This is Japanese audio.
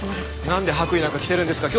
なんで白衣なんか着てるんですか。